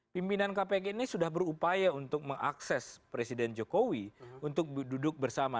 pimpinan kpk ini sudah berupaya untuk mengakses presiden jokowi untuk duduk bersama